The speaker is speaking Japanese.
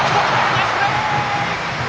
ナイスプレー！